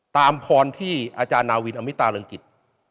พรที่อาจารย์นาวินอมิตาเริงกิจ